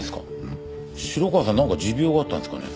城川さんなんか持病があったんですかね？